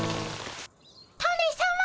タネさま。